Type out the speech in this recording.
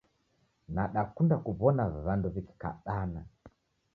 Nadakunda kuwona wandu wikikabana